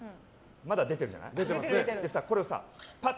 まだ出てるじゃない。